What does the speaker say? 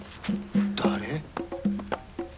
誰？